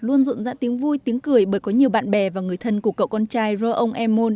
luôn rộn rã tiếng vui tiếng cười bởi có nhiều bạn bè và người thân của cậu con trai rơ ông em môn